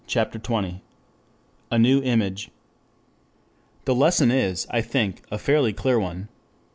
] CHAPTER XX A NEW IMAGE 1 THE lesson is, I think, a fairly clear one.